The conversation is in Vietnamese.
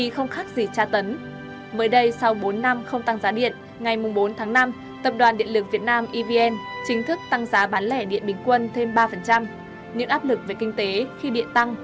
không ít ý kiến cư dân mạng đã chia sẻ sự bức giảm